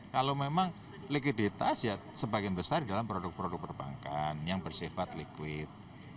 kalau memang likuiditas ya sebagian besar di dalam produk produk perbankan yang bersifat liquid